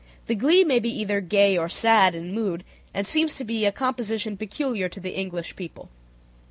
The glee may be either gay or sad in mood, and seems to be a composition peculiar to the English people.